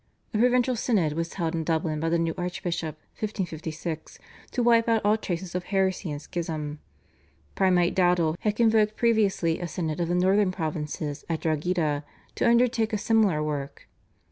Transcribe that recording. A provincial synod was held in Dublin by the new archbishop (1556) to wipe out all traces of heresy and schism. Primate Dowdall had convoked previously a synod of the Northern Provinces at Drogheda to undertake a similar work.